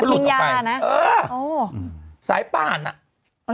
ก็หลุดออกไปเออสายป่านอะคนเป็นยานะ